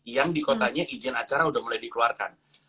yang di kotanya izin acara sudah mulai dikeluarkan